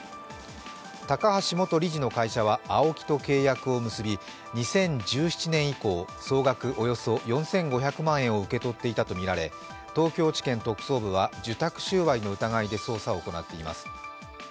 高橋元理事の会社はＡＯＫＩと契約を結び、２０１７年以降、総額およそ４５００万円を東京地検特捜部は受託収賄の疑いで捜査を行っています。